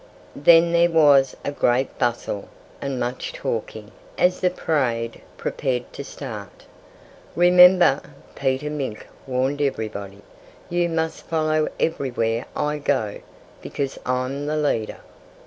Then there was a great bustle, and much talking, as the parade prepared to start. "Remember!" Peter Mink warned everybody, "you must follow everywhere I go, because I'm the leader."